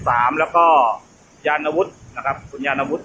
สามแล้วก็ยานวุฒินะครับคุณยานวุฒ